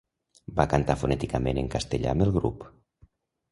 Va cantar fonèticament en castellà amb el grup.